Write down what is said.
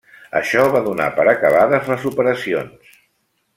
Això va donar per acabades les operacions.